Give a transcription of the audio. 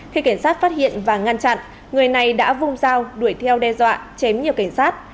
khi cảnh sát phát hiện và ngăn chặn người này đã vung dao đuổi theo đe dọa chém nhiều cảnh sát